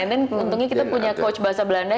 dan keuntungannya kita punya coach bahasa belanda